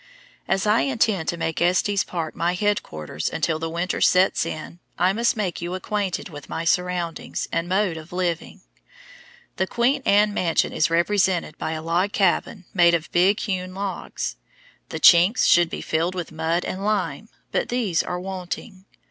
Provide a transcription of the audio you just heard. As I intend to make Estes Park my headquarters until the winter sets in, I must make you acquainted with my surroundings and mode of living. The "Queen Anne mansion" is represented by a log cabin made of big hewn logs. The chinks should be filled with mud and lime, but these are wanting.